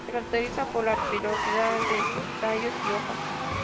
Se caracterizan por la pilosidad de tallos y hojas.